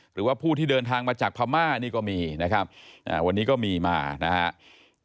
หรือว่าผู้ที่เดินทางมาจากพม่านี่ก็มีนะครับวันนี้ก็มีมานะครับ